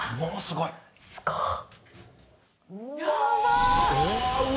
すごっ！